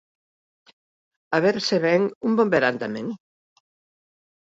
A ver se vén un bo verán tamén.